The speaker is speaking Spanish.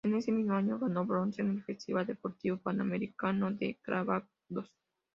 En ese mismo año ganó bronce en el Festival Deportivo Panamericano de Clavados.